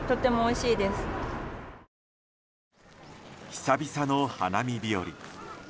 久々の花見日和。